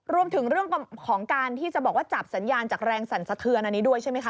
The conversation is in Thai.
รวมถึงเรื่องของการที่จะบอกว่าจับสัญญาณจากแรงสั่นสะเทือนอันนี้ด้วยใช่ไหมคะ